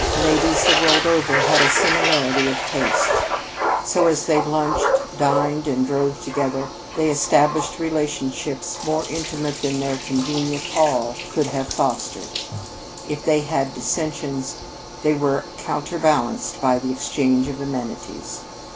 Ladies, the world over, have a similarity of tastes. So, as they lunched, dined, and drove together they established relationships more intimate than their convention hall could have fostered. If they had dissensions, these were counterbalanced by the exchange of amenities.